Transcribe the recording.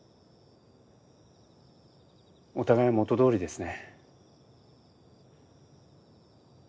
お互い元どおりですね。